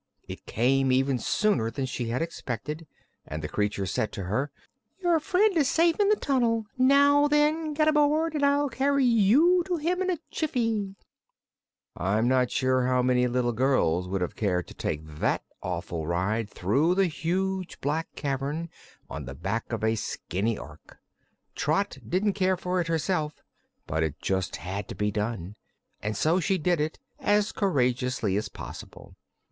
It came even sooner than she had expected and the creature said to her: "Your friend is safe in the tunnel. Now, then, get aboard and I'll carry you to him in a jiffy." I'm sure not many little girls would have cared to take that awful ride through the huge black cavern on the back of a skinny Ork. Trot didn't care for it, herself, but it just had to be done and so she did it as courageously as possible.